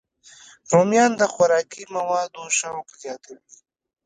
رومیان د خوراکي موادو شوق زیاتوي